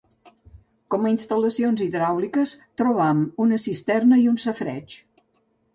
Com a instal·lacions hidràuliques trobam una cisterna i un safareig.